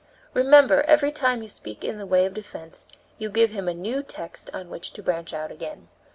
Remember every time you speak in the way of defense, you give him a new text on which to branch out again.